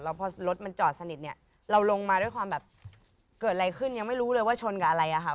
พอรถมันจอดสนิทเนี่ยเราลงมาด้วยความแบบเกิดอะไรขึ้นยังไม่รู้เลยว่าชนกับอะไรอะค่ะ